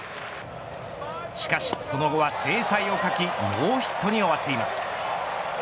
しかしその後は精彩を欠きノーヒットに終わっています。